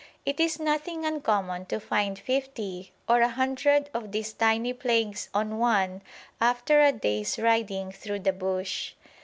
It is nothing uncommon to find fifty or a hundred of these tiny plagues on one after a day's riding through the bush.